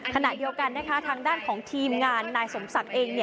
ขณะเดียวกันนะคะทางด้านของทีมงานนายสมศักดิ์เอง